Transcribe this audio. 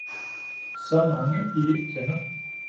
Så mange, i ikke kender